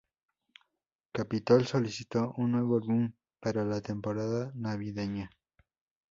Capitol solicitó un nuevo álbum para la temporada navideña.